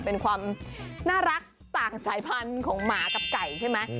เป็นความน่ารักต่างสายพันธุ์ของหมากับไก่ใช่ไหม